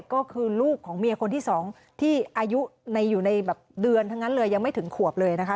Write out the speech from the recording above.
ก็คือลูกของเมียคนที่สองที่อายุอยู่ในแบบเดือนทั้งนั้นเลยยังไม่ถึงขวบเลยนะคะ